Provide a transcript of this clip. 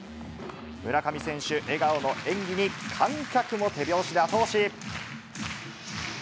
村上選手、笑顔の演技に観客も手拍子で後押し。